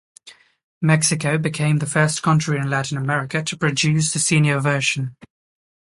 Mexico became the first country in Latin America to produce the senior version.